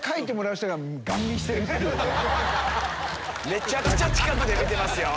めちゃくちゃ近くで見てますよ。